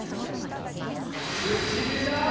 ぶっちぎりだ！